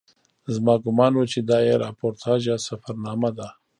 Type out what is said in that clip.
زما ګومان و چې دا یې راپورتاژ یا سفرنامه ده.